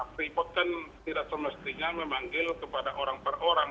freeport kan tidak semestinya memanggil kepada orang per orang